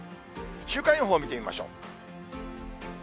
週間予報を見てみましょう。